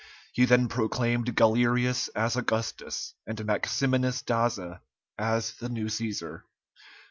He then proclaimed Galerius as Augustus, and Maximinus Daza as the new Cæsar.